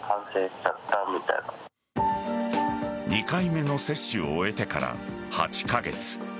２回目の接種を終えてから８カ月。